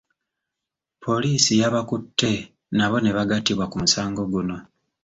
Poliisi yabakutte nabo ne bagattibwa ku musango guno.